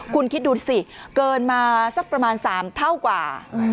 คุณคิดดูสิเกินมาสักประมาณ๓เท่ากว่า